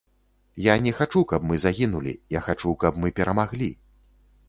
Я не хачу, каб мы загінулі, я хачу, каб мы перамаглі.